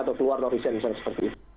atau keluar dari sen misalnya seperti itu